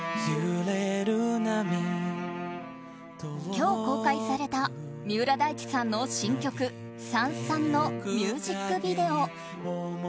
今日公開された三浦大知さんの新曲「燦燦」のミュージックビデオ。